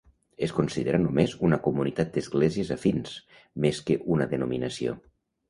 Es considera només una comunitat d'esglésies afins, més que una denominació.